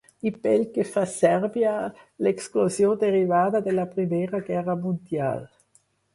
I pel que fa a Sèrbia, l'eclosió derivada de la Primera Guerra Mundial.